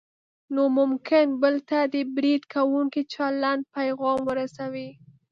نو ممکن بل ته د برید کوونکي چلند پیغام ورسوي.